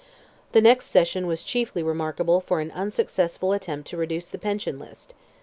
The next session was chiefly remarkable for an unsuccessful attempt to reduce the Pension List.